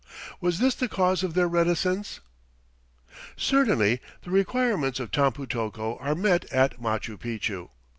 Was this the cause of their reticence? Certainly the requirements of Tampu tocco are met at Machu Picchu.